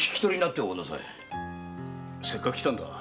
せっかく来たんだ。